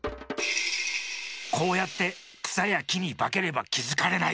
こうやってくさやきにばければきづかれない。